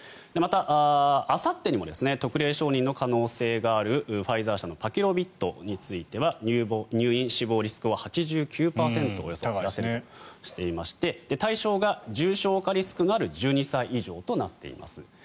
また、あさってにも特例承認の可能性があるファイザー社のパキロビッドについては入院・死亡リスクをおよそ８９％下げるとしていまして対象が重症化リスクのある１２歳以上となっています。